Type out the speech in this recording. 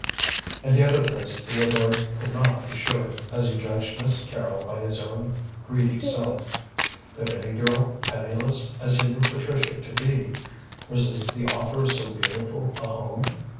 And yet of this Theodore could not be sure, as he judged Miss Carrol by his own greedy self. Could any girl, penniless, as he knew Patricia to be, resist the offer of so beautiful a home?